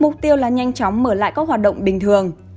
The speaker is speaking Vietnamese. mục tiêu là nhanh chóng mở lại các hoạt động bình thường